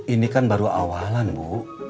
ini kan baru awalan bu